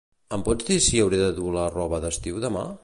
Em pots dir si hauré de dur la roba d'estiu demà?